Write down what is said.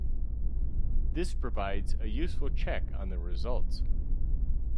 This provides a useful check on the results.